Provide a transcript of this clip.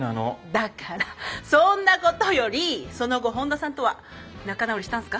だからそんなことよりその後本田さんとは仲直りしたんすか？